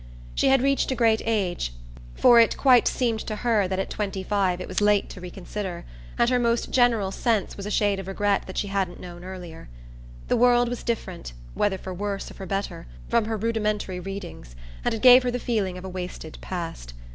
She had reached a great age for it quite seemed to her that at twenty five it was late to reconsider, and her most general sense was a shade of regret that she hadn't known earlier. The world was different whether for worse or for better from her rudimentary readings, and it gave her the feeling of a wasted past.